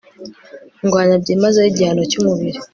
ndwanya byimazeyo igihano cyumubiri